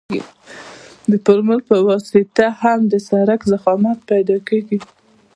د فورمول په واسطه هم د سرک ضخامت پیدا کیږي